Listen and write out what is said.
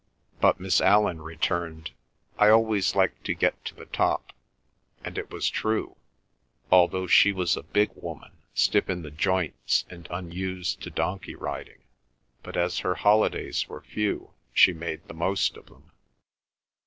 But Miss Allan returned, "I always like to get to the top"; and it was true, although she was a big woman, stiff in the joints, and unused to donkey riding, but as her holidays were few she made the most of them.